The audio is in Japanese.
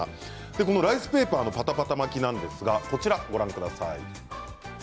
このライスペーパーのパタパタ巻きなんですがこちらご覧ください。